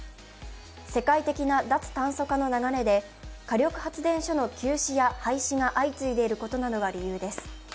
世界的な脱炭素化の流れで火力発電所の休止や廃止が相次いでいることなどが理由です。